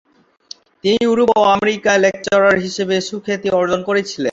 তিনি ইউরোপ ও আমেরিকায় লেকচারার হিসেবে সুখ্যাতি অর্জন করেছিলেন।